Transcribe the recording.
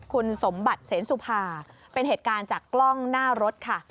คุณสมบัติเสนสุภาเป็นเหตุการณ์จากกล้องหน้ารถค่ะ